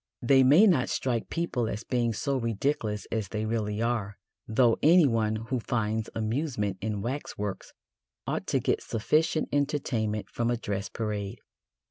They may not strike people as being so ridiculous as they really are, though anyone who finds amusement in waxworks ought to get sufficient entertainment from a dress parade.